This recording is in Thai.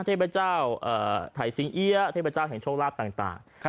เทพเจ้าไทยสิงเอี๊ยเทพเจ้าแห่งโชคลาภต่าง